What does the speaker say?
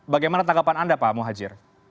bagaimana tanggapan anda pak muhajir